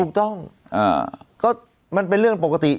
ก็มันเป็นเรื่องปกติ